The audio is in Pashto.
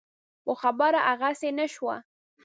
خو خبره هغسې نه شوه.